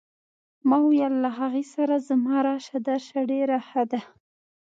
ما وویل له هغې سره زما راشه درشه ډېره ښه ده.